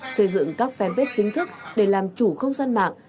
xây dựng các fanpage chính thức để làm chủ không gian mạng